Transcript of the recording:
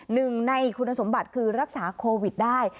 หนึ่งในคุณสมบัติคือรักษาโควิดได้